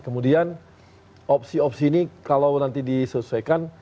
kemudian opsi opsi ini kalau nanti disesuaikan